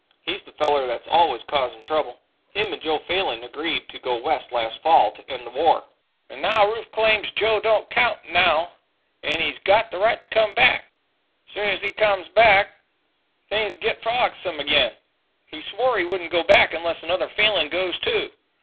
He's the feller that's always causin' trouble. Him and Joe Falin agreed to go West last fall to end the war. Joe was killed out thar, and now Rufe claims Joe don't count now an' he's got the right to come back. Soon's he comes back, things git frolicksome agin. He swore he wouldn't go back unless another Falin goes too.